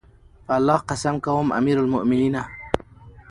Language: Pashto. په الله قسم کوم امير المؤمنینه!